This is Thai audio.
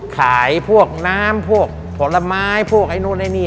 ขายพวกน้ำพวกผลไม้พวกไอ้นู่นไอ้นี่